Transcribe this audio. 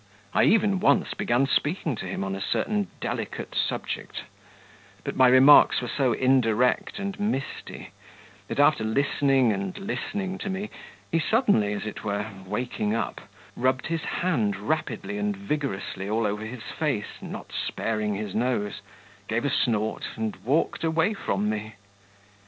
I even once began speaking to him on a certain delicate subject; but my remarks were so indirect and misty, that after listening and listening to me, he suddenly, as it were, waking up, rubbed his hand rapidly and vigorously all over his face, not sparing his nose, gave a snort, and walked away from me.